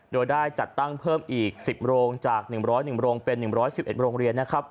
โดยได้จัดตั้งเพิ่มอีก๑๐โรงจาก๑๐๑โรงเป็น๑๑๑โรงเรียนนะครับ